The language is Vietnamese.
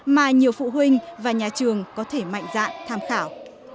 mà nhiều phụ huynh và nhà trường có thể mạnh dạn tham khảo